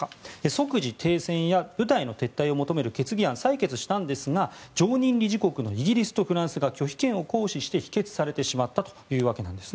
即時停戦や部隊の撤退を求める決議案を採決したんですが常任理事国のイギリスとフランスが拒否権を行使して、否決されてしまったということです。